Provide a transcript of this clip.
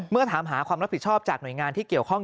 เมื่อถามหาความรับผิดชอบจากหน่วยงานที่เกี่ยวข้อง